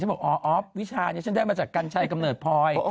บอกอ๋อออฟวิชานี้ฉันได้มาจากกัญชัยกำเนิดพลอย